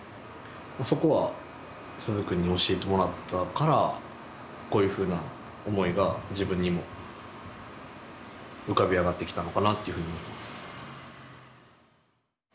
そこは鈴くんに教えてもらったからこういうふうな思いが自分にも浮かび上がってきたのかなっていうふうに思います。